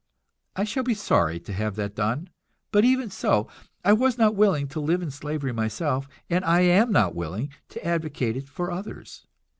I shall be sorry to have that done, but even so, I was not willing to live in slavery myself, and I am not willing to advocate it for others.